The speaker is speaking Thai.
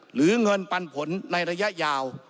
หรือเงินปันผลในระยะยาว